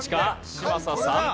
嶋佐さん。